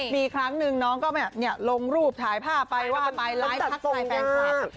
มีครั้งหนึ่งน้องก็ลงรูปถ่ายภาพไปว่าไปไลฟ์ทักทายแฟนคลับ